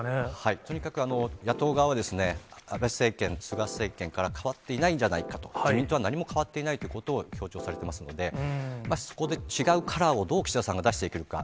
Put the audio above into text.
とにかく野党側は安倍政権、菅政権から変わっていないんじゃないかと、自民党は何も変わっていないということを強調されていますので、そこで違うカラーをどう岸田さんが出していけるか。